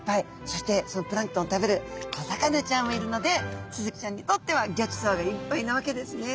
そしてそのプランクトンを食べる小魚ちゃんもいるのでスズキちゃんにとってはギョちそうがいっぱいなわけですね。